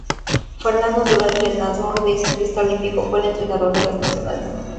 Fernando Duró, entrenador de Ciclista Olímpico fue el entrenador de los nacionales.